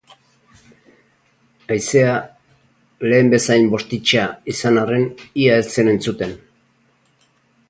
Haizea, lehen bezain bortitxa izan arren, ia ez zen entzuten.